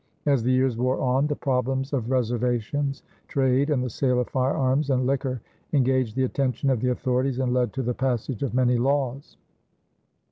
As the years wore on, the problems of reservations, trade, and the sale of firearms and liquor engaged the attention of the authorities and led to the passage of many laws.